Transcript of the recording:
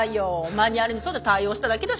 マニュアルに沿って対応しただけだし。